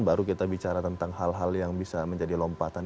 baru kita bicara tentang hal hal yang bisa menjadi lompatan